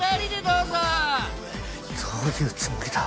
どういうつもりだ？